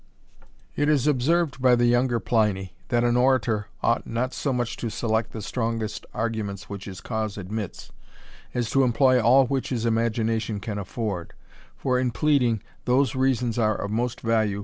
It is observed, by the younger Pliny, that an orator ought *^ot so much to select the strongest arguments which his ^use admits, as to employ all which his imagination can afford : for, in pleading, those reasons are of mosX \^m^^ 4 50 THE RAMBLER.